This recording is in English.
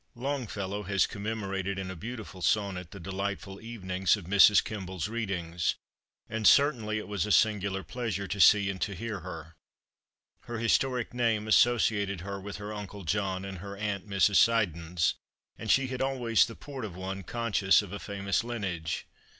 LONGFELLOW has commemorated in a beautiful sonnet the delightful evenings of Mrs. Kemble's readings; and certainly it was a singular pleasure to see and to hear her. Her historic name associated her with her uncle John and her aunt Mrs. Siddons, and she had always the port of one conscious of a famous lineage.